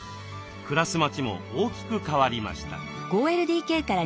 暮らす街も大きく変わりました。